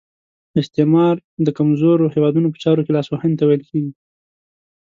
استعمار د کمزورو هیوادونو په چارو کې لاس وهنې ته ویل کیږي.